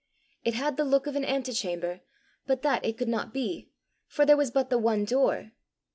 It had the look of an antechamber, but that it could not be, for there was but the one door!